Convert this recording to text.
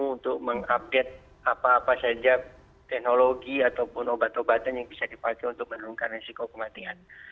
untuk mengupdate apa apa saja teknologi ataupun obat obatan yang bisa dipakai untuk menurunkan resiko kematian